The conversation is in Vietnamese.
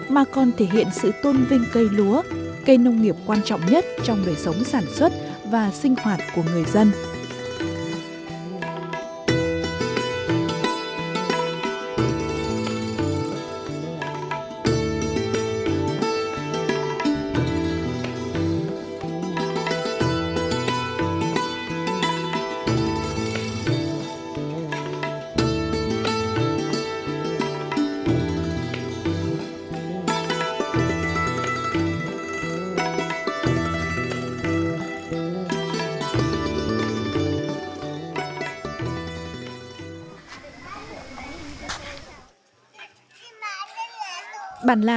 mà còn thể hiện sự tôn vinh cây lúa cây nông nghiệp quan trọng nhất trong đời sống sản xuất và sinh hoạt của người dân